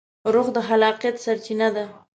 روح د خلاقیت سرچینه ده.